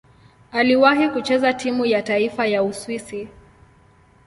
Aliwahi kucheza timu ya taifa ya Uswisi.